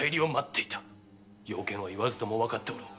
用件は言わずともわかっておろう。